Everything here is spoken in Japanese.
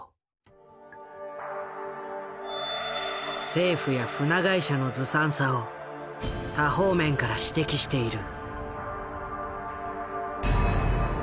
政府や船会社のずさんさを多方面から指摘している。